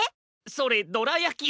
それどらやき。